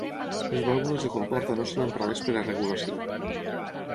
Les vàlvules de comporta no són emprades per a regulació.